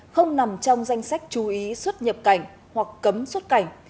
không nằm trong danh sách chú ý xuất nhập cảnh hoặc cấm xuất cảnh